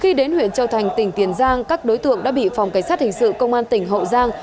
khi đến huyện châu thành tỉnh tiền giang các đối tượng đã bị phòng cảnh sát hình sự công an tỉnh hậu giang